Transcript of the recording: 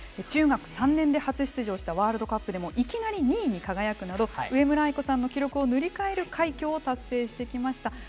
中学３年で初出場したワールドカップでもいきなり２位に輝くなど上村愛子さんの記録を塗り替える快挙を達成してきました。